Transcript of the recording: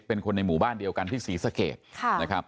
เป็นคนในหมู่บ้านเดียวกันที่สีสะเกด